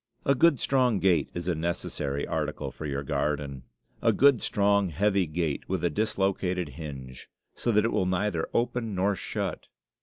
A good, strong gate is a necessary article for your garden. A good, strong, heavy gate, with a dislocated hinge, so that it will neither open nor shut.